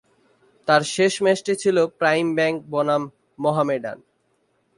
তার শেষ ম্যাচটি ছিল প্রাইম ব্যাংক বনাম মোহামেডান।